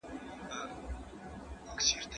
هغه هره ورځ د کمپيوټر په اړه نوې زده کړې کوي.